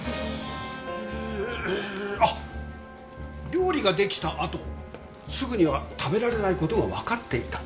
料理が出来たあとすぐには食べられない事がわかっていた。